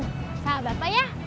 om saya bapak ya